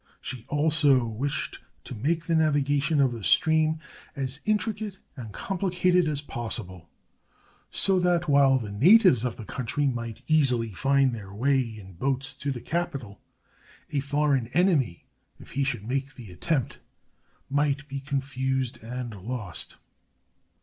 She also wished to make the navigation of the stream as intricate and complicated as possible, so that, while the natives of the country might easily find their way, in boats, to the capital, a foreign enemy, if he should make the attempt, might be confused and lost.